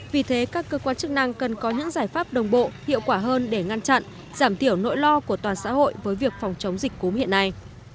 vì thế các cơ quan chức năng cần có những giải pháp đồng bộ hiệu quả hơn để ngăn chặn giảm thiểu nỗi lo của toàn xã hội với việc phòng chống dịch cúm hiện nay